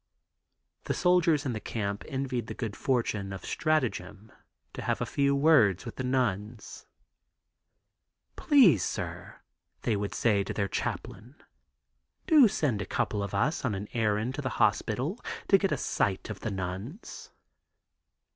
The soldiers in the camp envied the good fortune of stratagem to have a few words with the nuns. "Please, sir," they would say to the chaplain, "do send a couple of us on an errand to the hospital to get a sight of the nuns."